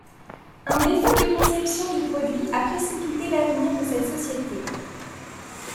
Un défaut de conception du produit a précipité l’avenir de cette société.